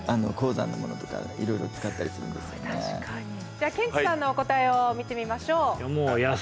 じゃあケンチさんのお答えを見てみましょう。